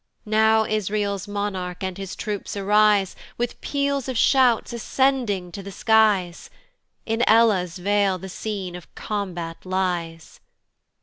Now Israel's monarch, and his troops arise, With peals of shouts ascending to the skies; In Elah's vale the scene of combat lies.